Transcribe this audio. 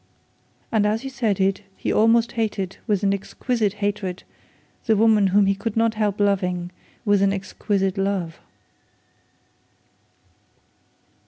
And as he said it, he almost hated, with an exquisite hatred, the woman whom he could not help loving with an exquisite love.